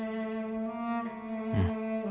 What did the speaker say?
うん。